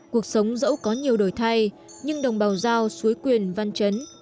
cuộc sống dẫu có nhiều đổi thay nhưng đồng bào giao suối quyền văn chấn